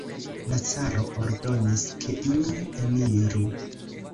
La caro ordonis, ke ili eniru.